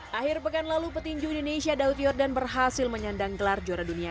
hai akhir pekan lalu petinju indonesia daud yordan berhasil menyandang gelar juara dunia